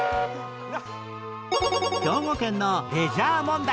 兵庫県のレジャー問題